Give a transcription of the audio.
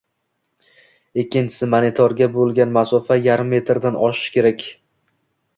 Ikkinchisi, monitorgacha bo‘lgan masofa yarim metrdan oshishi kerak.